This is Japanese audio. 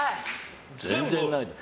全然ないです。